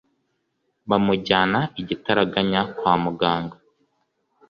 bamujyana igitaraganya kwa muganga